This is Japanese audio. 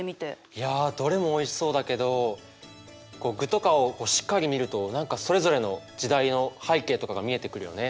いやどれもおいしそうだけど具とかをしっかり見ると何かそれぞれの時代の背景とかが見えてくるよね。